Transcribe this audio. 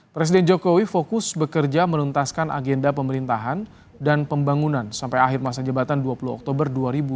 presiden jokowi fokus bekerja menuntaskan agenda pemerintahan dan pembangunan sampai akhir masa jabatan dua puluh oktober dua ribu dua puluh